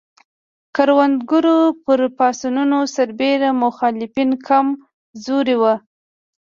کروندګرو پر پاڅونونو سربېره مخالفین کم زوري وو.